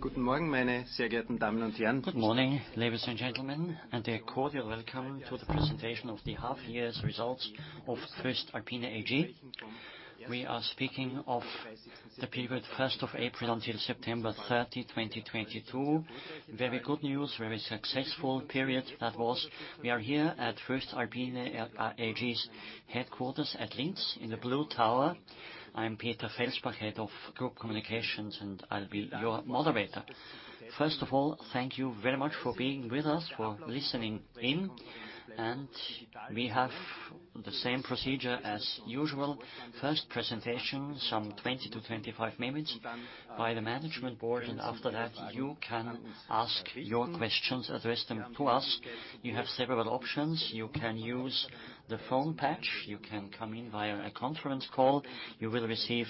Good morning, ladies and gentlemen, and a cordial welcome to the presentation of the half year's results of voestalpine AG. We are speaking of the period 1st of April until September 30, 2022. Very good news, very successful period that was. We are here at voestalpine AG's headquarters at Linz in the Blue Tower. I'm Peter Felsbach, Head of Group Communications, and I'll be your moderator. First of all, thank you very much for being with us, for listening in, and we have the same procedure as usual. First presentation, some 20 minutes-25 minutes by the management board, and after that, you can ask your questions, address them to us. You have several options. You can use the phone patch. You can come in via a conference call. You will receive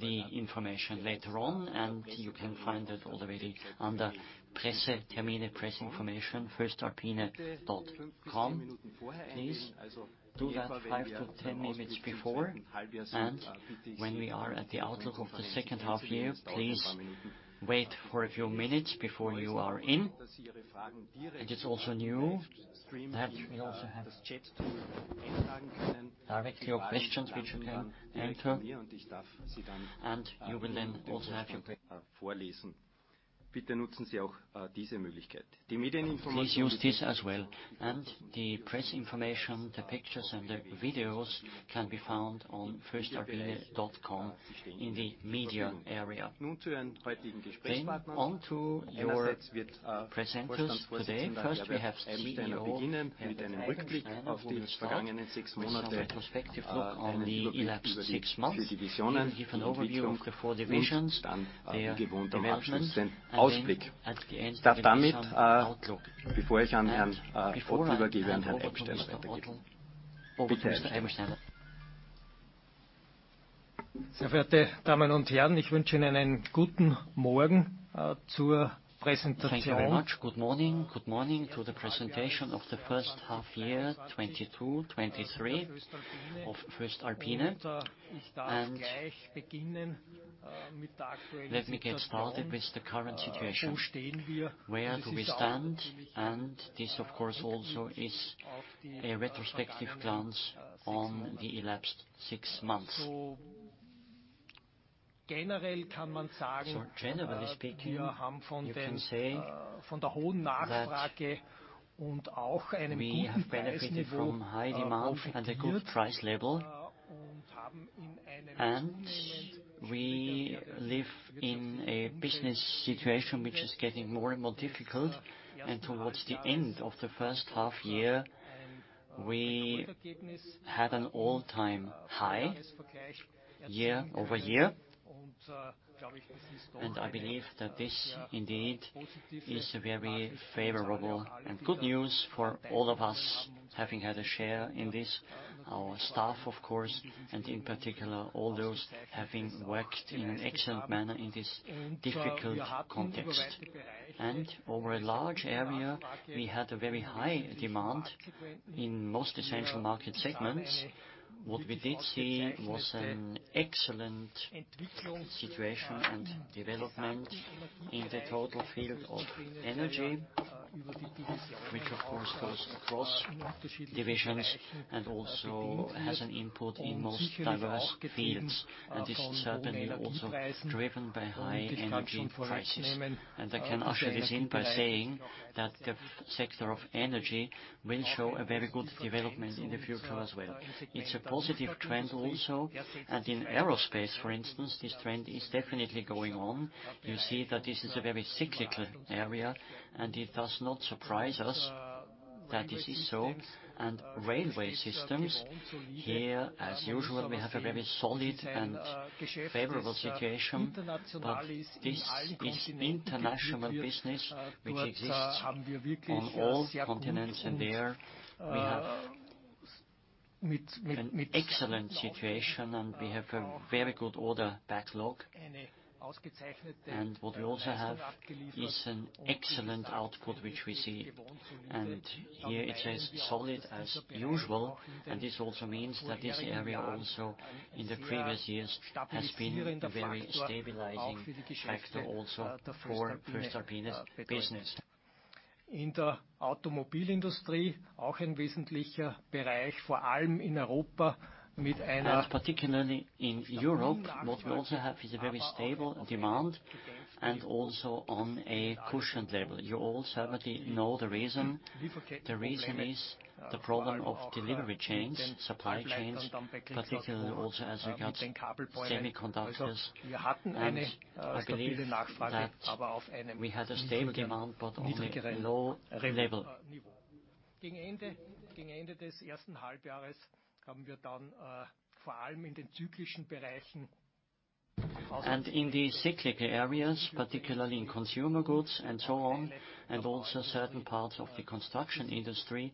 the information later on, and you can find it already under Pressetermine press information voestalpine.com. Please do that 5-10 minutes before, and when we are at the outlook of the second half year, please wait for a few minutes before you are in. It is also new that we also have directly your questions which you can enter. Please use this as well, and the press information, the pictures, and the videos can be found on voestalpine.com in the Media area. Onto your presenters today. First, we have the CEO, Herbert Eibensteiner, who will start with some retrospective look on the elapsed six months. He will give an overview of the four divisions, their development, and then at the end, we have some outlook before I hand over to you. I hand over to Herbert Eibensteiner. Thank you very much. Good morning. Good morning to the presentation of the first half-year 2022-2023 of voestalpine. Let me get started with the current situation. Where do we stand? This, of course, also is a retrospective glance on the elapsed six months. Generally speaking, you can say that we have benefited from high demand and a good price level, and we live in a business situation which is getting more and more difficult. Towards the end of the first half-year, we had an all-time high year-over-year. I believe that this indeed is a very favorable and good news for all of us having had a share in this, our staff, of course, and in particular, all those having worked in an excellent manner in this difficult context. Over a large area, we had a very high demand in most essential market segments. What we did see was an excellent situation and development in the total field of energy, which of course, goes across divisions and also has an input in most diverse fields. This is certainly also driven by high energy prices. I can usher this in by saying that the sector of energy will show a very good development in the future as well. It's a positive trend also. In aerospace, for instance, this trend is definitely going on. You see that this is a very cyclical area, and it does not surprise us that this is so. Railway systems, here, as usual, we have a very solid and favorable situation. This is international business which exists on all continents, and there we have an excellent situation, and we have a very good order backlog. What we also have is an excellent output, which we see. Here it is solid as usual, and this also means that this area also in the previous years has been a very stabilizing factor also for voestalpine's business. In the automobile industry, particularly in Europe, what we also have is a very stable demand and also on a cushioned level. You all certainly know the reason. The reason is the problem of delivery chains, supply chains, particularly also as regards semiconductors. I believe that we had a stable demand, but on a low level. In the cyclical areas, particularly in consumer goods and so on, and also certain parts of the construction industry,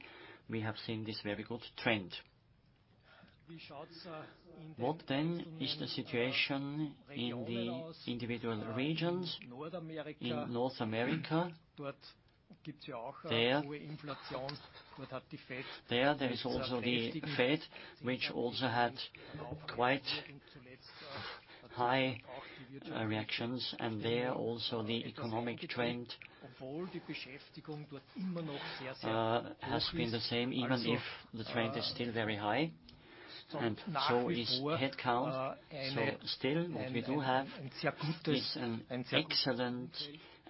we have seen this very good trend. What then is the situation in the individual regions? In North America, there is also the Fed, which also had quite high reactions. The economic trend there also has been the same, even if the trend is still very high and so is headcount. Still, what we do have is an excellent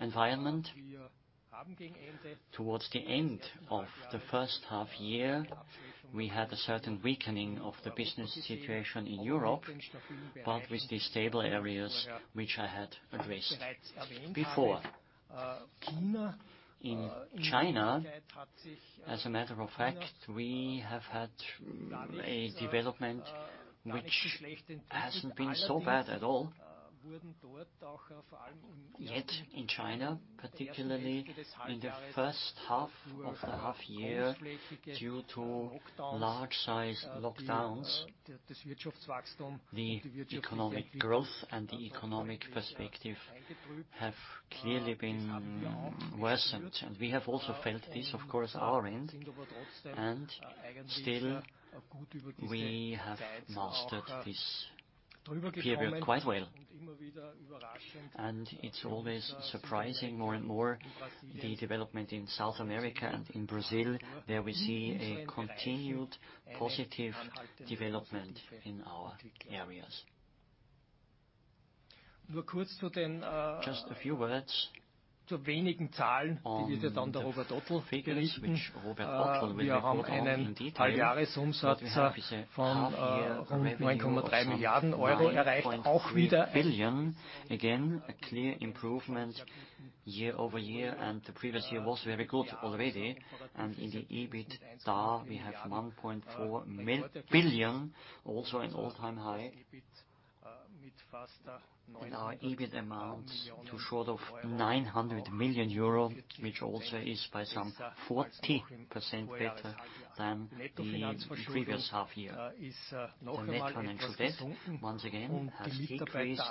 environment. Towards the end of the first half year, we had a certain weakening of the business situation in Europe, but with these stable areas which I had addressed before. In China, as a matter of fact, we have had a development which hasn't been so bad at all. Yet in China, particularly in the first half of the year, due to large-scale lockdowns, the economic growth and the economic perspective have clearly been worsened. We have also felt this, of course, at our end. Still, we have mastered this period quite well. It's always surprising more and more the development in South America and in Brazil, where we see a continued positive development in our areas. Just a few words on the Robert Ottel figures, which Robert Ottel will go through in detail. We have a half year revenue of EUR 9.3 billion. Again, a clear improvement year-over-year, and the previous year was very good already. In the EBITDA, we have 1.4 billion, also an all-time high. Our EBIT amounts to short of 900 million euro, which also is by some 40% better than the previous half year. Our net financial debt, once again, has decreased,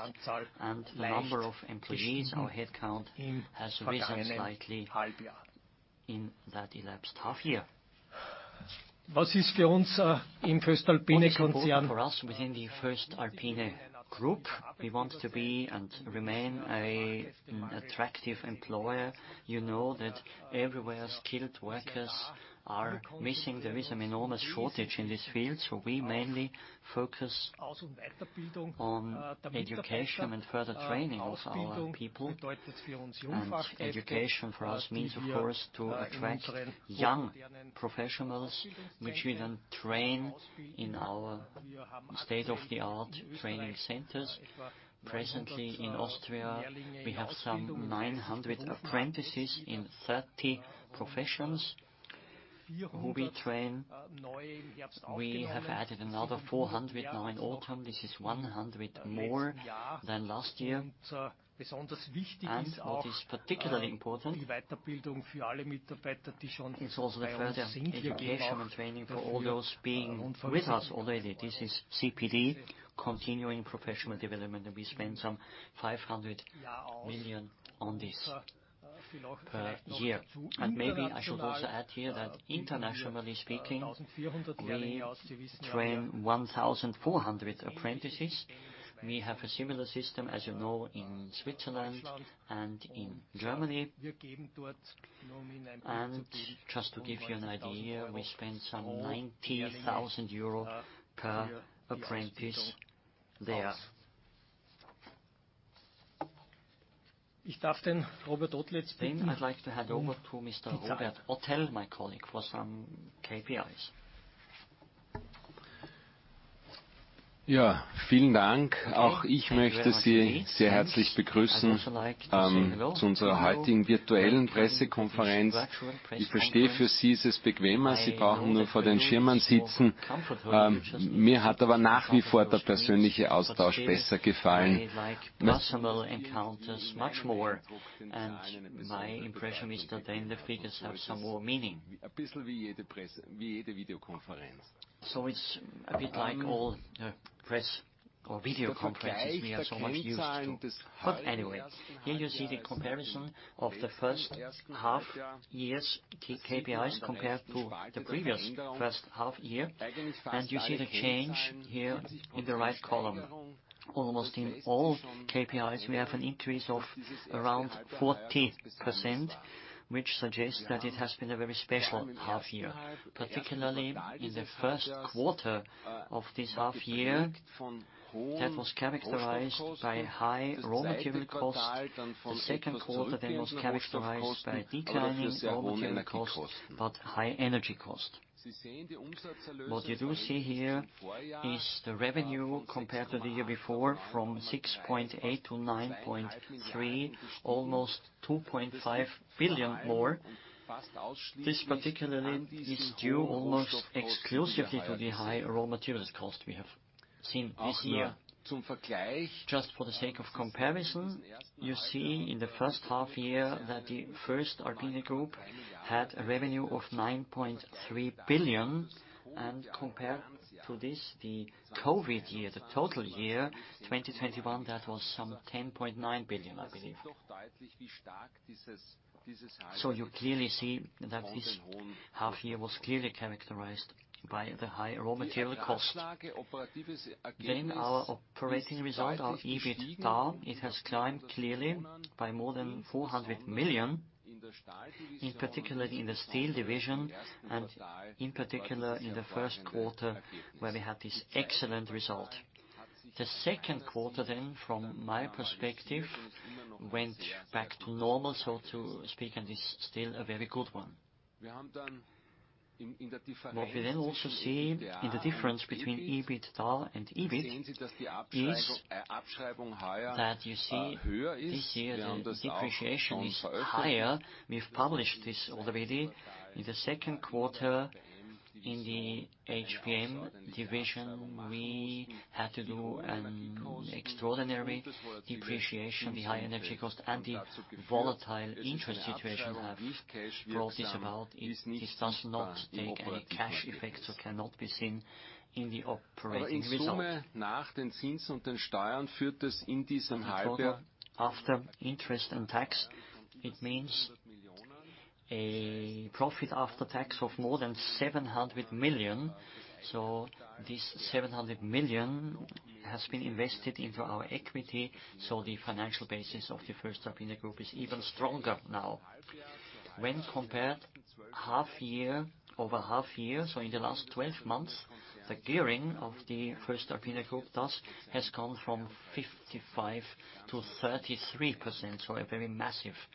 and the number of employees, our headcount, has risen slightly in that elapsed half year. What is important for us within the voestalpine Group, we want to be and remain an attractive employer. You know that everywhere skilled workers are missing. There is an enormous shortage in this field, so we mainly focus on education and further training of our people. Education for us means, of course, to attract young professionals, which we then train in our state-of-the-art training centers. Presently in Austria, we have some 900 apprentices in 30 professions who we train. We have added another 400 now in autumn. This is 100 more than last year. What is particularly important is also the further education and training for all those being with us already. This is CPD, continuing professional development, and we spend some 500 million on this per year. Maybe I should also add here that internationally speaking, we train 1,400 apprentices. We have a similar system, as you know, in Switzerland and in Germany. Just to give you an idea, we spend some 90,000 euro per apprentice there. I'd like to hand over to Mr. Robert Ottel, my colleague, for some KPIs. Okay. Thank you very much indeed. I'd also like to say hello to you from today's virtual press conference. I know that for you this is more comfortable. You just need to sit in front of the screens. Still, I like personal encounters much more, and my impression is that then the figures have some more meaning. It's a bit like all the press or video conferences we are so much used to. Anyway, here you see the comparison of the first half year's KPIs compared to the previous first half year. You see the change here in the right column. Almost in all KPIs, we have an increase of around 40%, which suggests that it has been a very special half year, particularly in the first quarter of this half year that was characterized by high raw material costs. The second quarter then was characterized by declining raw material costs, but high energy costs. What you do see here is the revenue compared to the year before, from 6.8 billion to 9.3 billion, almost 2.5 billion more. This particularly is due almost exclusively to the high raw materials cost we have seen this year. Just for the sake of comparison, you see in the first half year that the voestalpine Group had a revenue of 9.3 billion, and compared to this, the COVID year, the total year, 2021, that was some 10.9 billion, I believe. You clearly see that this half year was clearly characterized by the high raw material cost. Our operating result, our EBITDA, it has climbed clearly by more than 400 million, in particular in the Steel Division and in particular in the first quarter, where we had this excellent result. The second quarter then, from my perspective, went back to normal, so to speak, and is still a very good one. What we then also see in the difference between EBITDA and EBIT is that you see this year, the depreciation is higher. We've published this already. In the second quarter in the HPM Division, we had to do an extraordinary depreciation. The high energy cost and the volatile interest situation have brought this about. This does not take any cash effects, so cannot be seen in the operating result. After interest and tax, it means a profit after tax of more than 700 million. This 700 million has been invested into our equity, so the financial basis of the voestalpine Group is even stronger now. When compared half-year-over-half-year, so in the last 12 months, the gearing of the voestalpine Group, thus, has come from 55% to 33%, so a very massive decrease.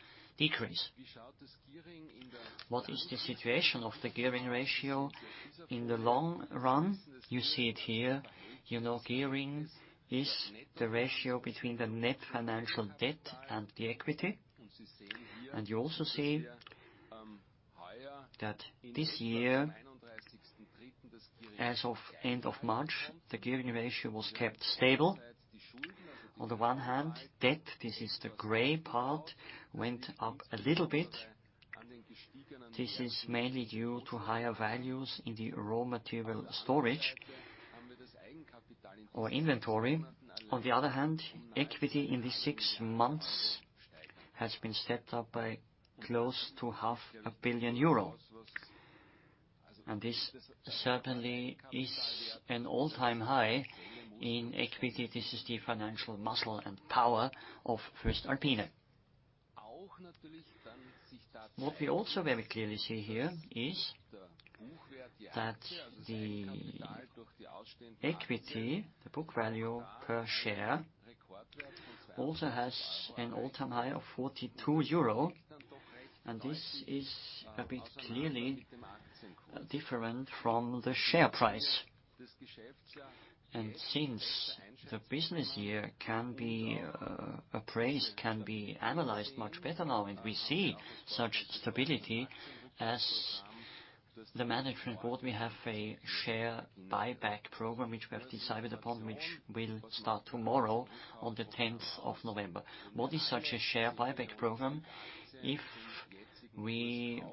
What is the situation of the gearing ratio in the long run? You see it here. You know, gearing is the ratio between the net financial debt and the equity. You also see that this year, as of end of March, the gearing ratio was kept stable. On the one hand, debt, this is the gray part, went up a little bit. This is mainly due to higher values in the raw material storage or inventory. On the other hand, equity in these six months has been set up by close to 0.5 billion euro. This certainly is an all-time high in equity. This is the financial muscle and power of voestalpine. What we also very clearly see here is that the equity, the book value per share, also has an all-time high of 42 euro, and this is a bit clearly different from the share price. Since the business year can be appraised, can be analyzed much better now, and we see such stability as the management board, we have a share buyback program which we have decided upon, which will start tomorrow, on the 10th of November. What is such a share buyback program? If we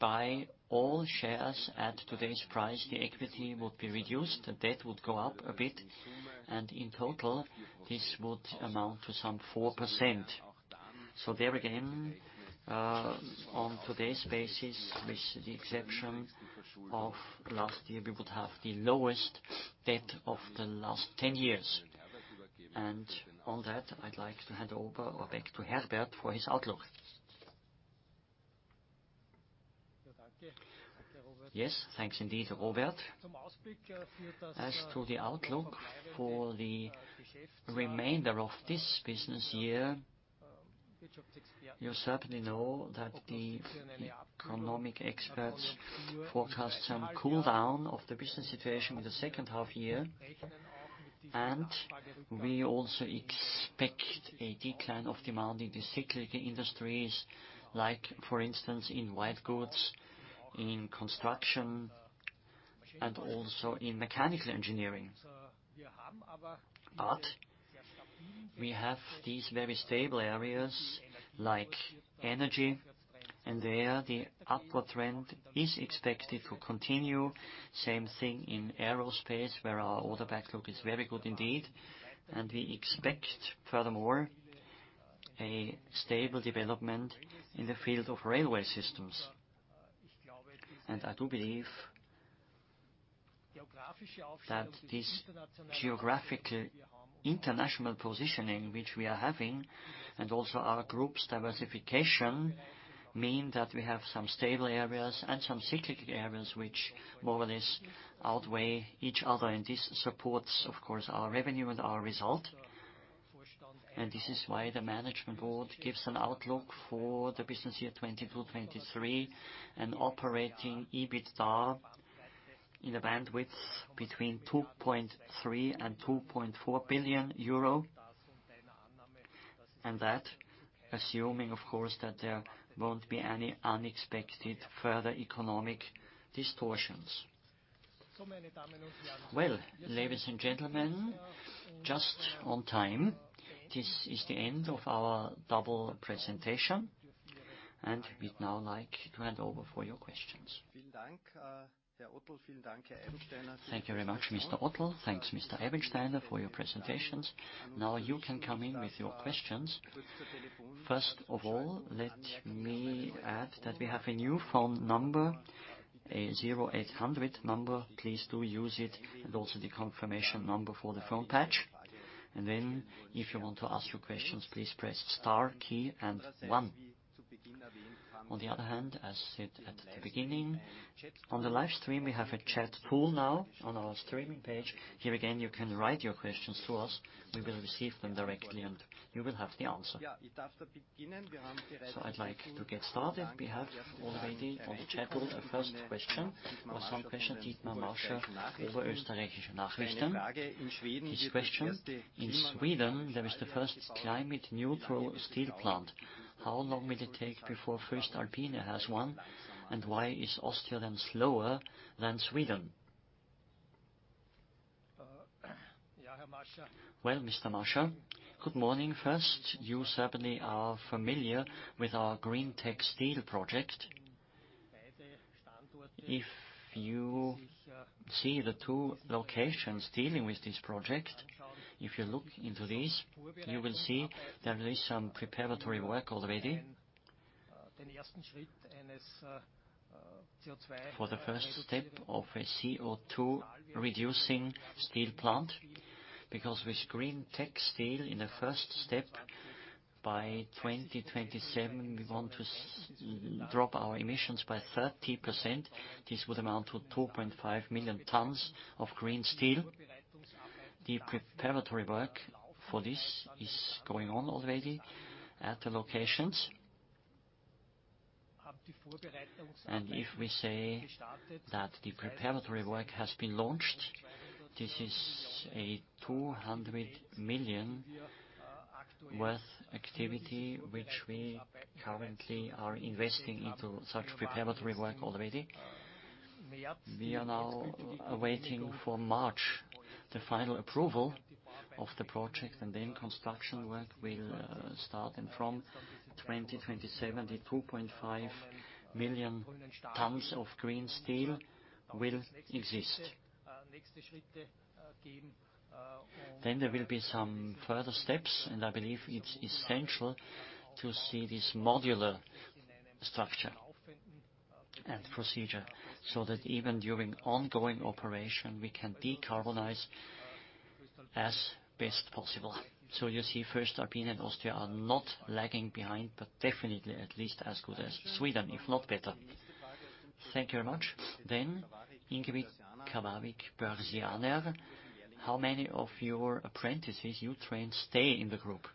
buy all shares at today's price, the equity would be reduced, the debt would go up a bit, and in total, this would amount to some 4%. There again, on today's basis, with the exception of last year, we would have the lowest debt of the last 10 years. On that, I'd like to hand over or back to Herbert for his outlook. Yes, thanks indeed, Robert. As to the outlook for the remainder of this business year, you certainly know that the economic experts forecast some cool down of the business situation in the second half year. We also expect a decline of demand in the cyclical industries, like for instance in white goods, in construction, and also in mechanical engineering. We have these very stable areas like energy, and there, the upward trend is expected to continue. Same thing in aerospace, where our order backlog is very good indeed. We expect, furthermore, a stable development in the field of railway systems. I do believe that this geographical international positioning which we are having, and also our group's diversification, mean that we have some stable areas and some cyclical areas which more or less outweigh each other. This supports, of course, our revenue and our result. This is why the management board gives an outlook for the business year 2022-2023, an operating EBITDA in the bandwidth between 2.3 billion and 2.4 billion euro. Assuming, of course, that there won't be any unexpected further economic distortions. Well, ladies and gentlemen, just on time. This is the end of our double presentation, and we'd now like to hand over for your questions. Thank you very much, Mr. Ottel. Thanks, Mr. Eibensteiner, for your presentations. Now you can come in with your questions. First of all, let me add that we have a new phone number, an 0800 number. Please do use it, and also the confirmation number for the phone patch. Then if you want to ask your questions, please press star key and one. On the other hand, as said at the beginning, on the live stream, we have a chat pool now on our streaming page. Here again, you can write your questions to us. We will receive them directly, and you will have the answer. I'd like to get started. We have already on the chat pool a first question from Dietmar Mascher, Oberösterreichische Nachrichten. His question: In Sweden, there is the first climate-neutral steel plant. How long will it take before voestalpine has one, and why is Austria then slower than Sweden? Well, Mr. Mascher, good morning first. You certainly are familiar with our greentec steel project. If you see the two locations dealing with this project, if you look into this, you will see there is some preparatory work already for the first step of a CO₂-reducing steel plant because with greentec steel, in the first step, by 2027, we want to drop our emissions by 30%. This would amount to 2.5 million tons of green steel. The preparatory work for this is going on already at the locations. If we say that the preparatory work has been launched, this is a 200 million worth activity which we currently are investing into such preparatory work already. We are now awaiting for March, the final approval of the project, and then construction work will start. From 2027, the 2.5 million tons of green steel will exist. There will be some further steps, and I believe it's essential to see this modular structure and procedure so that even during ongoing operation, we can decarbonize as best possible. You see, voestalpine and Austria are not lagging behind, but definitely at least as good as Sweden, if not better. Thank you very much. Then, Ingrid Kovárik-Bersianér. How many of your apprentices you train stay in the group?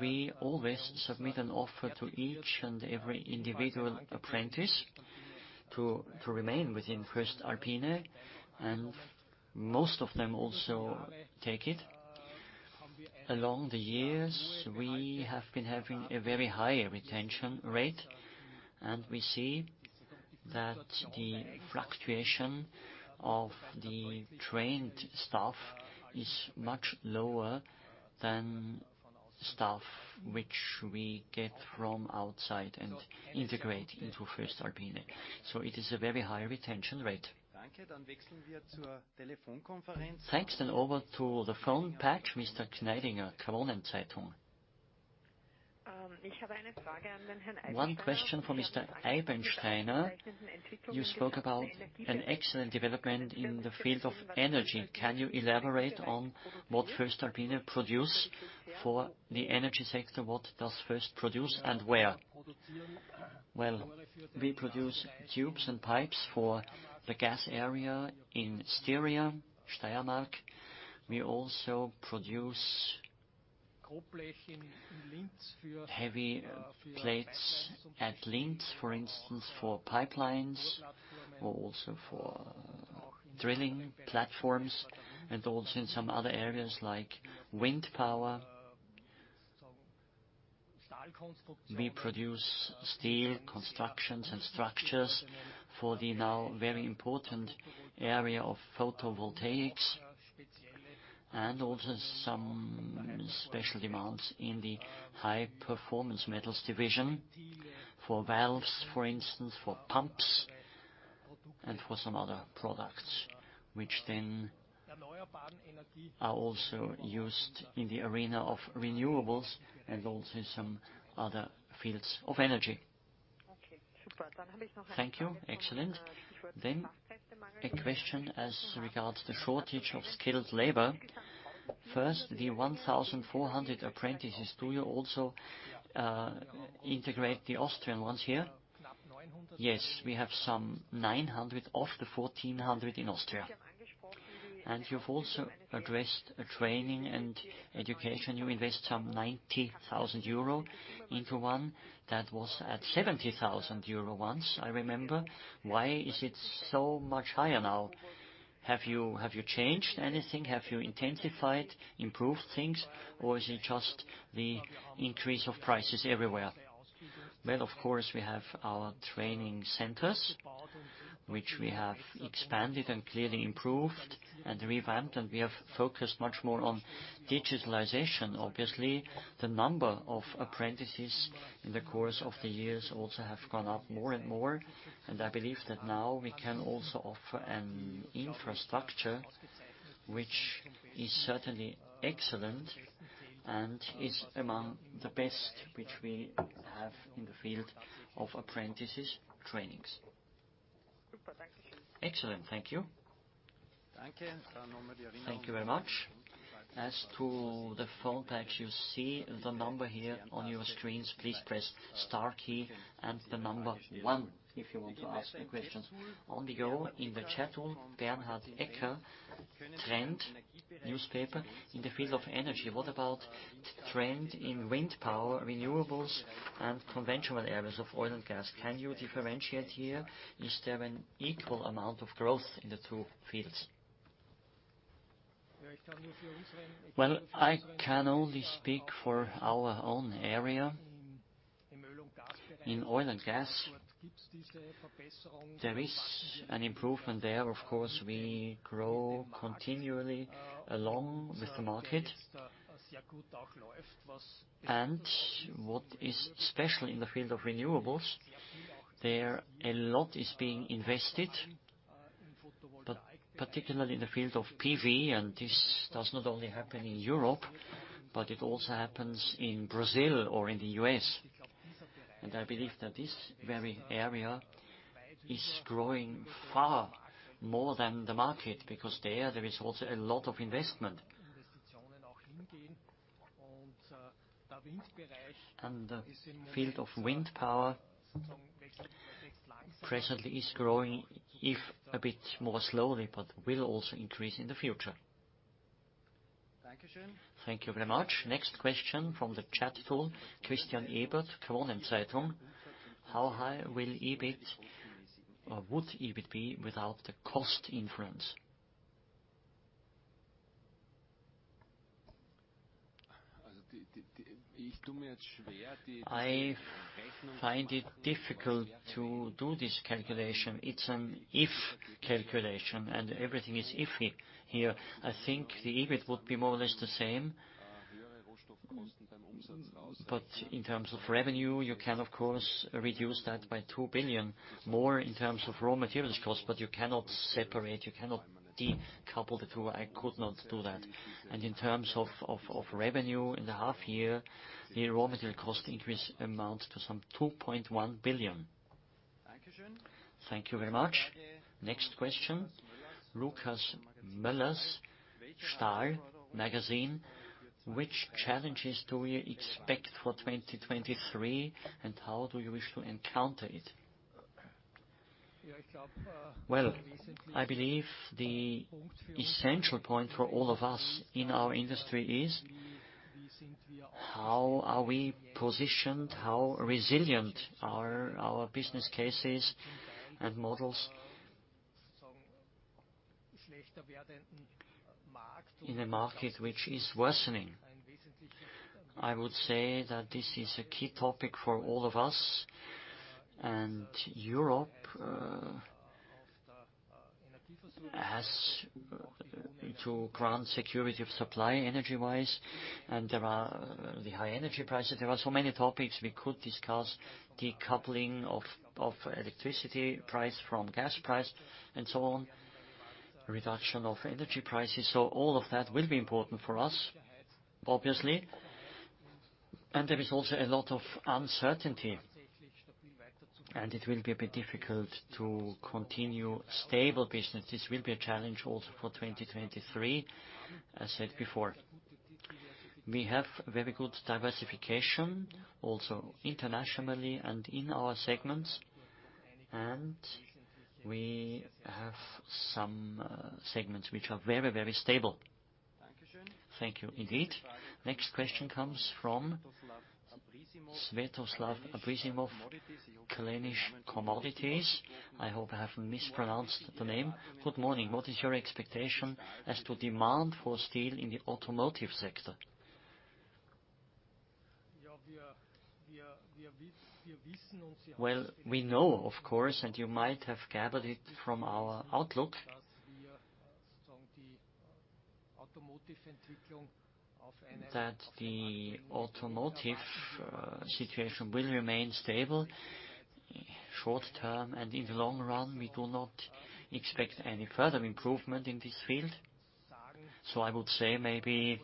We always submit an offer to each and every individual apprentice to remain within voestalpine, and most of them also take it. Along the years, we have been having a very high retention rate, and we see that the fluctuation of the trained staff is much lower than staff which we get from outside and integrate into voestalpine. It is a very high retention rate. Thanks. Over to the phone patch, Mr. Kneidinger, Kronen Zeitung. One question for Mr. Eibensteiner. You spoke about an excellent development in the field of energy. Can you elaborate on what voestalpine produce for the energy sector? What does voestalpine produce and where? Well, we produce tubes and pipes for the gas area in Styria, Steiermark. We also produce heavy plates at Linz, for instance, for pipelines or also for drilling platforms, and also in some other areas like wind power. We produce steel constructions and structures for the now very important area of photovoltaics and also some special demands in the High Performance Metals Division for valves, for instance, for pumps and for some other products, which then are also used in the area of renewables and also some other fields of energy. Thank you. Excellent. Then a question as regards the shortage of skilled labor. First, the 1,400 apprentices, do you also integrate the Austrian ones here? Yes. We have some 900 of the 1,400 in Austria. You've also addressed a training and education. You invest some 90,000 euro into one that was at 70,000 euro once, I remember. Why is it so much higher now? Have you changed anything? Have you intensified, improved things, or is it just the increase of prices everywhere? Well, of course, we have our training centers, which we have expanded and clearly improved and revamped, and we have focused much more on digitalization. Obviously, the number of apprentices in the course of the years also have gone up more and more, and I believe that now we can also offer an infrastructure which is certainly excellent and is among the best which we have in the field of apprentices trainings. Excellent. Thank you. Thank you very much. As to the phone, as you see the number here on your screens, please press star key and the number one if you want to ask a question. Online in the chat tool, Bernhard Ecker, trend newspaper. In the field of energy, what about trends in wind power, renewables, and conventional areas of oil and gas? Can you differentiate here? Is there an equal amount of growth in the two fields? Well, I can only speak for our own area. In oil and gas, there is an improvement there. Of course, we grow continually along with the market. What is special in the field of renewables, there's a lot being invested, but particularly in the field of PV, and this does not only happen in Europe, but it also happens in Brazil or in the U.S. I believe that this very area is growing far more than the market because there is also a lot of investment. The field of wind power presently is growing, if a bit more slowly, but will also increase in the future. Thank you very much. Next question from the chat tool, Christian Ebert, Kronen Zeitung. How high will EBIT or would EBIT be without the cost influence? I find it difficult to do this calculation. It's an if calculation, and everything is iffy here. I think the EBIT would be more or less the same. But in terms of revenue, you can, of course, reduce that by 2 billion more in terms of raw materials cost, but you cannot separate, you cannot decouple the two. I could not do that. In terms of revenue in the half year, the raw material cost increase amounts to some 2.1 billion. Thank you very much. Next question, Lucas Möllers, Stahl magazine. Which challenges do you expect for 2023, and how do you wish to encounter it? Well, I believe the essential point for all of us in our industry is how are we positioned, how resilient are our business cases and models in a market which is worsening? I would say that this is a key topic for all of us, and Europe has to grant security of supply energy-wise, and there are the high energy prices. There are so many topics we could discuss, decoupling of electricity price from gas price and so on, reduction of energy prices. All of that will be important for us, obviously. There is also a lot of uncertainty, and it will be a bit difficult to continue stable business. This will be a challenge also for 2023. I said before, we have very good diversification, also internationally and in our segments, and we have some segments which are very, very stable. Thank you indeed. Next question comes from Svetoslav Abrossimov, Kallanish Commodities. I hope I haven't mispronounced the name. Good morning. What is your expectation as to demand for steel in the automotive sector? Well, we know, of course, and you might have gathered it from our outlook that the automotive situation will remain stable short-term, and in the long run, we do not expect any further improvement in this field. I would say maybe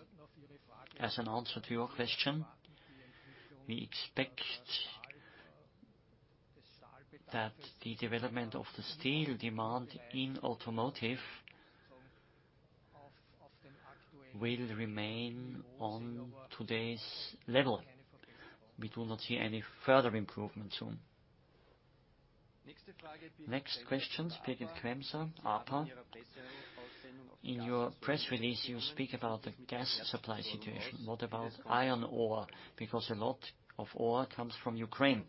as an answer to your question, we expect that the development of the steel demand in automotive will remain on today's level. We do not see any further improvement soon. Next question, Philipp Kremser, APA. In your press release, you speak about the gas supply situation. What about iron ore? Because a lot of ore comes from Ukraine.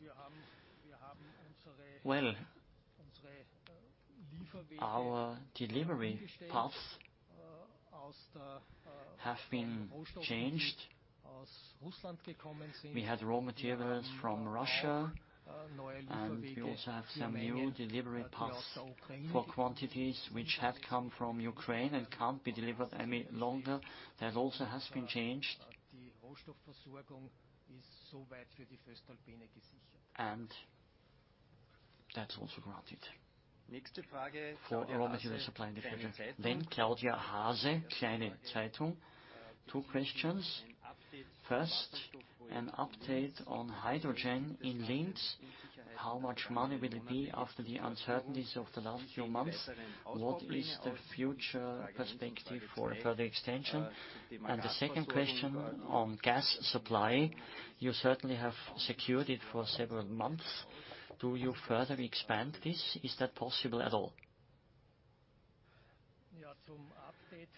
Well, our delivery paths have been changed. We had raw materials from Russia, and we also have some new delivery paths for quantities which had come from Ukraine and can't be delivered any longer. That also has been changed. That's also granted for raw material supply in the future. Claudia Haase, Kleine Zeitung. Two questions. First, an update on hydrogen in Linz. How much money will it be after the uncertainties of the last few months? What is the future perspective for a further extension? The second question on gas supply. You certainly have secured it for several months. Do you further expand this? Is that possible at all?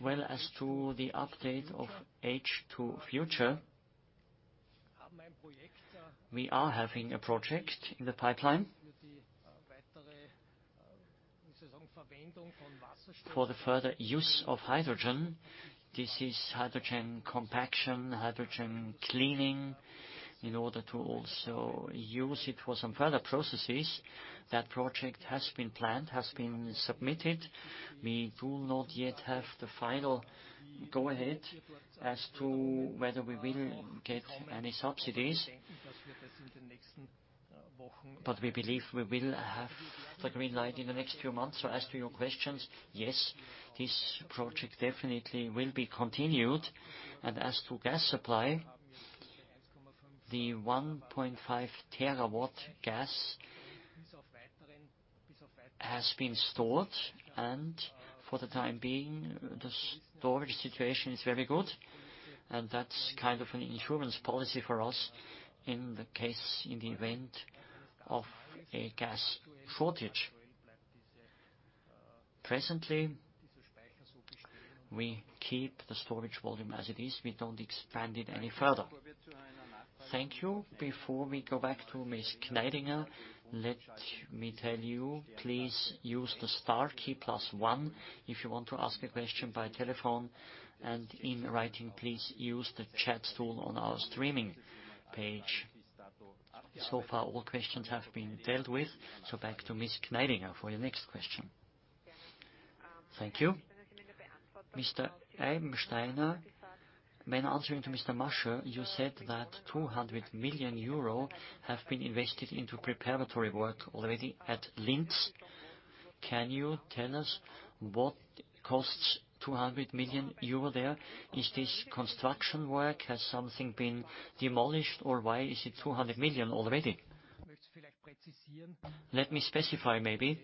Well, as to the update of H2FUTURE, we are having a project in the pipeline for the further use of hydrogen. This is hydrogen compression, hydrogen cleaning in order to also use it for some further processes. That project has been planned, has been submitted. We do not yet have the final go-ahead as to whether we will get any subsidies, but we believe we will have the green light in the next few months. As to your questions, yes, this project definitely will be continued. As to gas supply, the 1.5 TW gas has been stored, and for the time being, the storage situation is very good, and that's kind of an insurance policy for us in the case, in the event of a gas shortage. Presently, we keep the storage volume as it is. We don't expand it any further. Thank you. Before we go back to Ms. Kneidinger, let me tell you, please use the star key plus one if you want to ask a question by telephone and in writing, please use the chat tool on our streaming page. So far, all questions have been dealt with. Back to Ms. Kneidinger for the next question. Thank you. Mr. Eibensteiner, when answering to Mr. Mascher, you said that 200 million euro have been invested into preparatory work already at Linz. Can you tell us what costs 200 million euro there? Is this construction work? Has something been demolished, or why is it 200 million already? Let me specify maybe.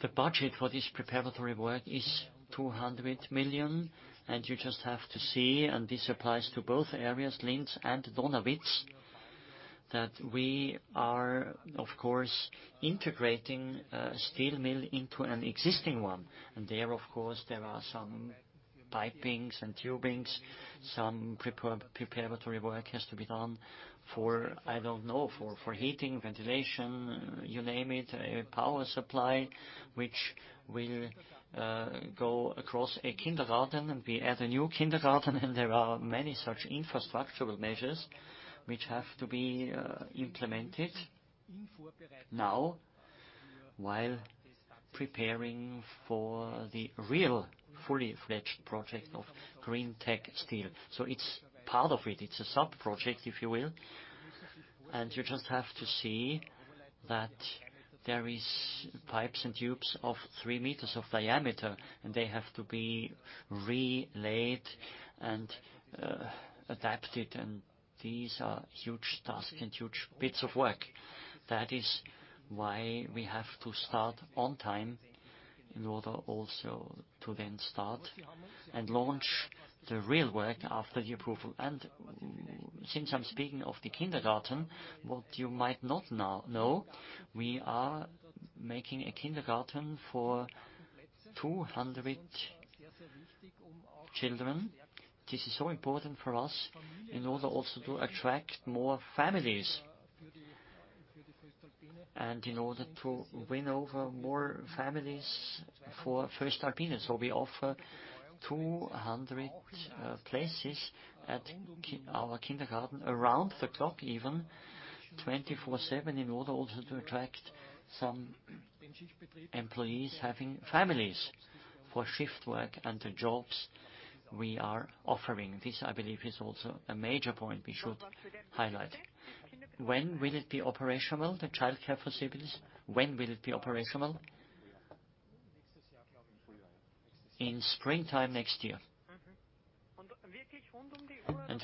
The budget for this preparatory work is 200 million, and you just have to see, and this applies to both areas, Linz and Donawitz, that we are of course integrating a steel mill into an existing one. There of course, there are some pipings and tubings. Some preparatory work has to be done, I don't know, for heating, ventilation, you name it, a power supply which will go across a kindergarten, and we add a new kindergarten and there are many such infrastructural measures which have to be implemented now while preparing for the real fully-fledged project of greentec steel. It's part of it. It's a sub-project, if you will. You just have to see that there is pipes and tubes of 3 m of diameter, and they have to be relaid and adapted, and these are huge tasks and huge bits of work. That is why we have to start on time in order also to then start and launch the real work after the approval. Since I'm speaking of the kindergarten, what you might not know, we are making a kindergarten for 200 children. This is so important for us in order also to attract more families and in order to win over more families for voestalpine. We offer 200 places at our kindergarten around the clock even, 24/7, in order also to attract some employees having families for shift work and the jobs we are offering. This, I believe, is also a major point we should highlight. When will it be operational, the childcare facilities? When will it be operational? In springtime next year.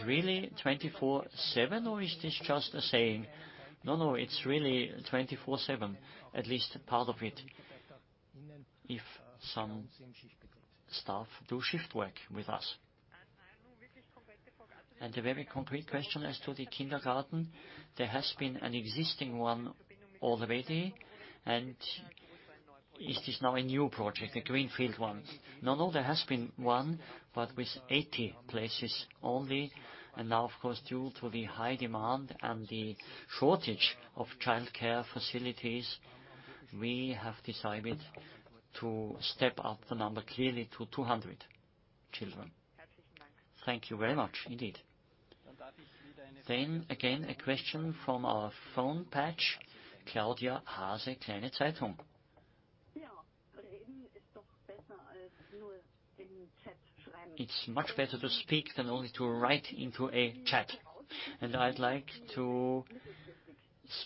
Really 24/7, or is this just a saying? No, no, it's really 24/7, at least part of it, if some staff do shift work with us. A very concrete question as to the kindergarten. There has been an existing one already. Is this now a new project, a greenfield one? No, no, there has been one, but with 80 places only. Now, of course, due to the high demand and the shortage of childcare facilities, we have decided to step up the number clearly to 200 children. Thank you very much, indeed. Then again, a question from our phone patch, Claudia Haase, Kleine Zeitung. Yeah. It's much better to speak than only to write into a chat. I'd like to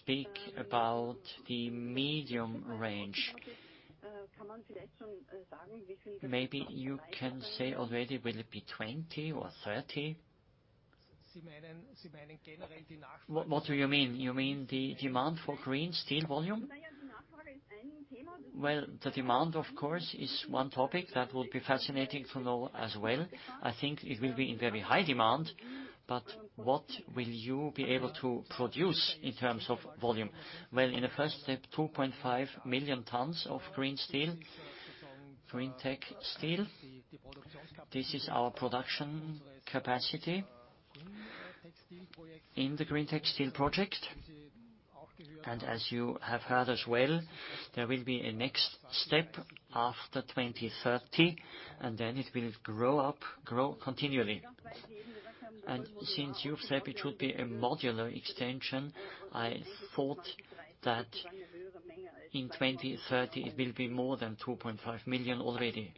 speak about the medium range. Maybe you can say already, will it be 20 or 30? What do you mean? You mean the demand for green steel volume? Well, the demand, of course, is one topic that would be fascinating to know as well. I think it will be in very high demand, but what will you be able to produce in terms of volume? Well, in the first step, 2.5 million tons of green steel, greentec steel. This is our production capacity in the greentec steel project. As you have heard as well, there will be a next step after 2030, and then it will grow up, grow continually. Since you've said it should be a modular extension, I thought that in 2030 it will be more than 2.5 million already.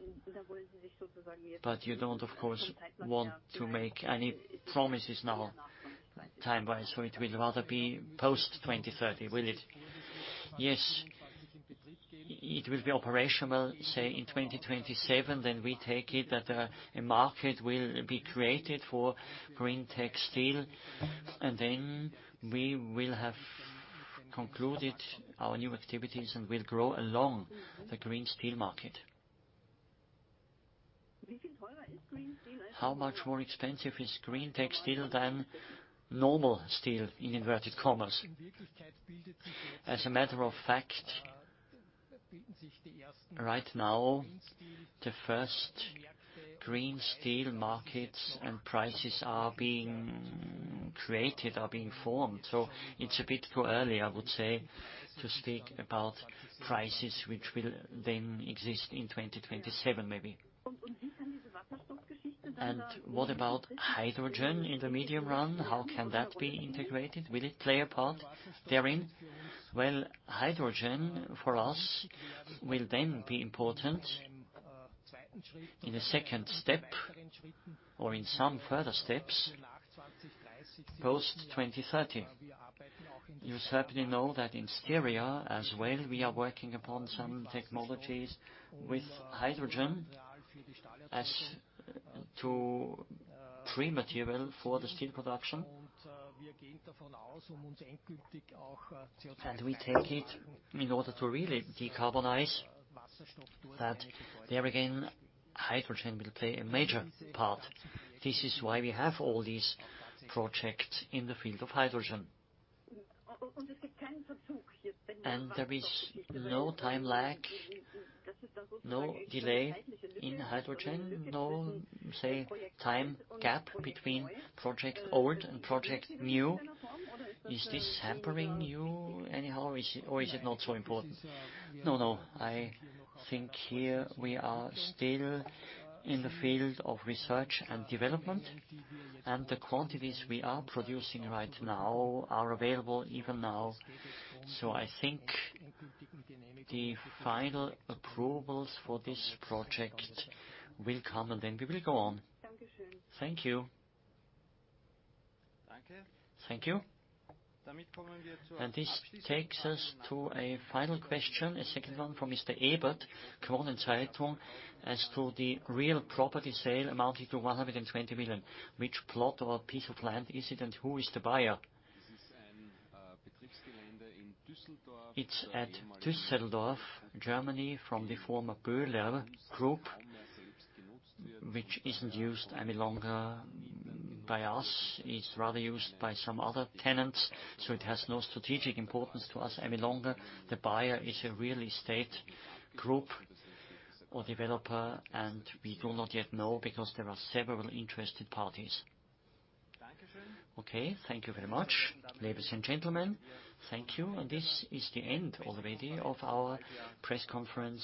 But you don't, of course, want to make any promises now time-wise, so it will rather be post 2030, will it? Yes. It will be operational, say, in 2027. We take it that a market will be created for greentec steel, and then we will have concluded our new activities and will grow along the green steel market. How much more expensive is greentech steel than normal steel, in inverted commas? As a matter of fact, right now, the first green steel markets and prices are being created, are being formed. It's a bit too early, I would say, to speak about prices which will then exist in 2027, maybe. What about hydrogen in the medium run? How can that be integrated? Will it play a part therein? Well, hydrogen, for us, will then be important in a second step or in some further steps post 2030. You certainly know that in Styria as well, we are working upon some technologies with hydrogen as to pre-material for the steel production. We take it, in order to really decarbonize, that there again, hydrogen will play a major part. This is why we have all these projects in the field of hydrogen. There is no time lag, no delay in hydrogen? No, say, time gap between project old and project new. Is this hampering you anyhow, or is it not so important? No, no. I think here we are still in the field of research and development, and the quantities we are producing right now are available even now. I think the final approvals for this project will come, and then we will go on. Thank you. Thank you. This takes us to a final question, a second one from Mr. Ebert, Kronen Zeitung, as to the real property sale amounting to 120 million. Which plot or piece of land is it, and who is the buyer? It's at Düsseldorf, Germany, from the former Böhler group, which isn't used any longer by us. It's rather used by some other tenants, so it has no strategic importance to us any longer. The buyer is a real estate group or developer, and we do not yet know because there are several interested parties. Okay, thank you very much. Ladies and gentlemen, thank you. This is the end already of our press conference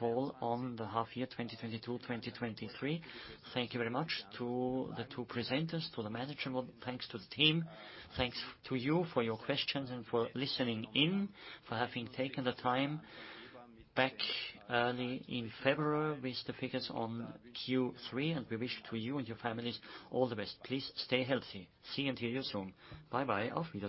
call on the half year 2022/2023. Thank you very much to the two presenters, to the management. Thanks to the team. Thanks to you for your questions and for listening in, for having taken the time back early in February with the figures on Q3. We wish to you and your families all the best. Please stay healthy. See and hear you soon. Bye-bye. Auf Wiedersehen.